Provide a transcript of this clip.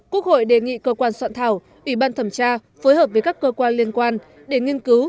quốc hội đề nghị cơ quan soạn thảo ủy ban thẩm tra phối hợp với các cơ quan liên quan để nghiên cứu